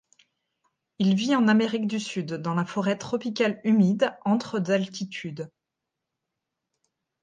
Il vit en Amérique du Sud, dans la forêt tropicale humide, entre d'altitude.